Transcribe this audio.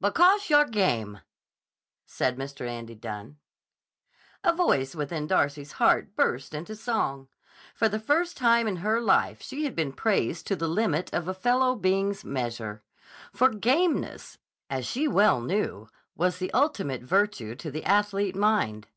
"Because yah'r game," said Mr. Andy Dunne. A voice within Darcy's heart burst into song. For the first time in her life she had been praised to the limit of a fellow being's measure. For gameness, as she well knew, was the ultimate virtue to the athlete mind.